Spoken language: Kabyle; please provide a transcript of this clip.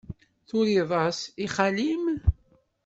Turiḍ-as i xali-m?